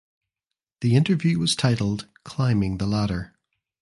The interview was titled "Climbing the Ladder".